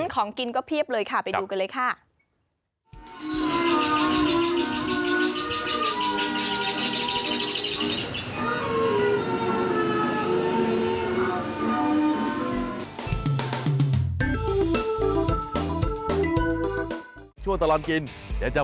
ของกินก็เพียบเลยค่ะไปดูกันเลยค่ะ